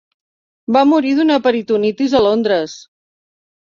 Va morir d'una peritonitis a Londres.